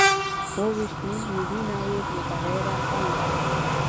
او اوه ویشت نیم میلیونه یې متغیره پانګه ده